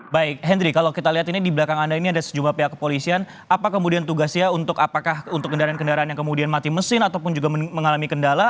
baik hendry kalau kita lihat ini di belakang anda ini ada sejumlah pihak kepolisian apa kemudian tugasnya untuk apakah untuk kendaraan kendaraan yang kemudian mati mesin ataupun juga mengalami kendala